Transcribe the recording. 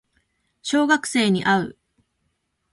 小学生に会う